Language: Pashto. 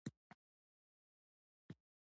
چینايي اقتصاد د ودې په حال کې دی.